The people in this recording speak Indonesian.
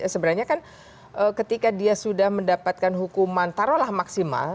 sebenarnya kan ketika dia sudah mendapatkan hukuman taruhlah maksimal